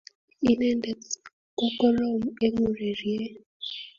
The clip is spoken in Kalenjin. Inendet ko korom eng urerieny